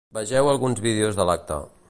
Vegeu alguns vídeos de l’acte.